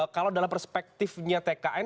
kalau dalam perspektifnya tkn